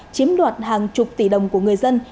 chiếm đoạt hàng chục tỷ đồng của người dân